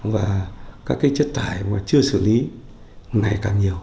và các cái chất thải mà chưa xử lý ngày càng nhiều